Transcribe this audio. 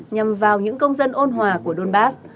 nhằm vào những công dân ôn hòa của donbass